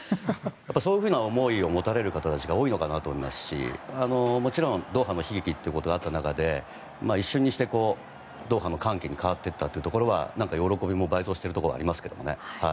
そういうふうな思いを持たれる方たちが多いのかなと思いますしもちろんドーハの悲劇ってことがあった中で一瞬にしてドーハの歓喜に変わっていったというところは喜びも倍増しているところありますけどね。